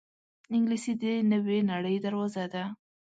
انګلیسي د نوې نړۍ دروازه ده